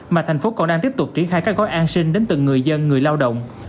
mà thành phố còn đang tiếp tục triển khai các gói an sinh đến từng người dân người lao động